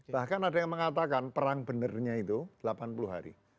bahkan ada yang mengatakan perang benarnya itu delapan puluh hari